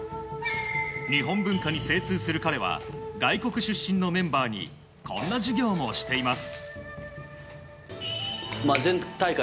日本文化に精通する彼は外国出身のメンバーにこんな授業もしています。